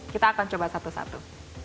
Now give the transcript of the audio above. kita akan coba satu satu